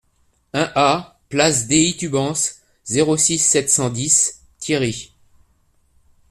un A place Dei Tubans, zéro six, sept cent dix, Thiéry